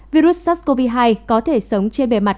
virus sars cov hai có thể sống trên bề mặt